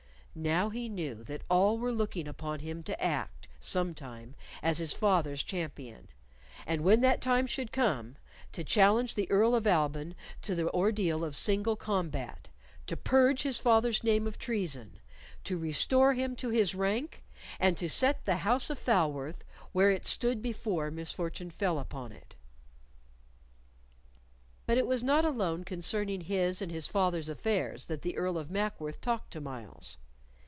Now he knew that all were looking upon him to act, sometime, as his father's champion, and when that time should come, to challenge the Earl of Alban to the ordeal of single combat, to purge his father's name of treason, to restore him to his rank, and to set the house of Falworth where it stood before misfortune fell upon it. But it was not alone concerning his and his father's affairs that the Earl of Mackworth talked to Myles.